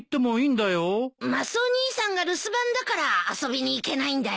マスオ兄さんが留守番だから遊びに行けないんだよ。